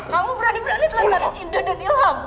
kamu berani berani telah melihat indah dan ilham